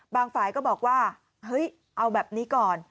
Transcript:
บางฝ่ายก็บอกว่าเอาแบบนี้ก่อน